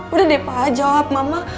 udah deh pak jawab mama